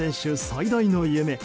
最大の夢